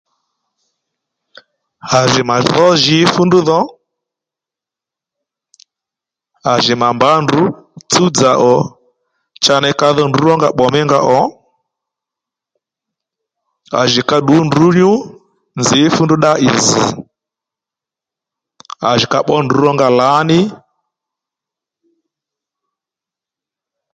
À jì mà dhǒ jǐ fú ndrú dho à jì mà mbǎ ndrǔ tsúw dzà ò cha ney kadho ndrǔ rónga pbò mí nga ò à jì ka ddǔ ndrǔ nyú nzǐ fú ndrú ddá ì zz à jì ka pbǒ ndrú rónga lǎní